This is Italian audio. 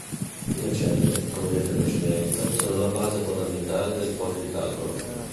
Le celle, come detto in precedenza, sono la base fondamentale del foglio di calcolo.